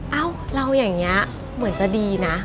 เอ้าเราอย่างนี้เหมือนจะดีนะ